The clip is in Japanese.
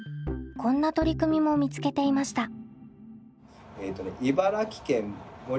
こんな取り組みも見つけていました。